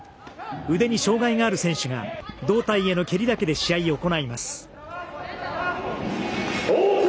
腕に障がいがある選手が胴体への蹴りだけで試合を行います。